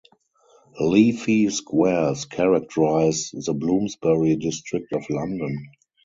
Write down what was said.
Leafy squares characterise the Bloomsbury district of London.